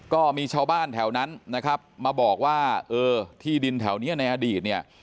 ก็มีชาวบ้านแถวนั้นนะครับมาบอกว่าเออที่ดินแถวนี้ในอดีตเนี่ย